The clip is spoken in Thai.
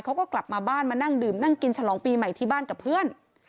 เขาก็กลับมาบ้านมานั่งดื่มนั่งกินฉลองปีใหม่ที่บ้านกับเพื่อน